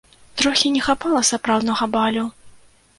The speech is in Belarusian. Трохі не хапала сапраўднага балю.